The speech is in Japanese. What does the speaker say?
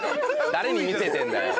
誰に見せてるんだよ。